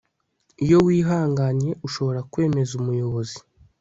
iyo wihanganye ushobora kwemeza umuyobozi